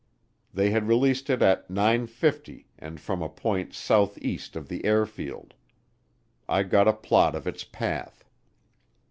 They had released it at nine fifty and from a point southeast of the airfield. I got a plot of its path.